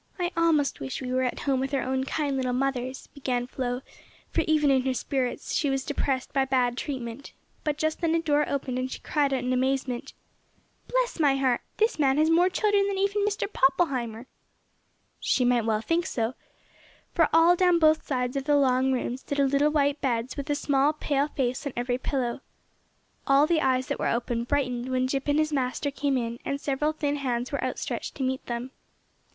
"I almost wish we were at home with our own kind little mothers," began Flo, for even her spirits were depressed by bad treatment, but just then a door opened and she cried out in amazement, "Bless my heart, this man has more children than even Mr. Poppleheimer!" She might well think so, for all down both sides of the long room stood little white beds with a small pale face on every pillow. All the eyes that were open brightened when Jip and his master came in, and several thin hands were outstretched to meet them.